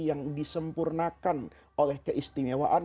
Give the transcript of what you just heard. yang disempurnakan oleh keistimewaan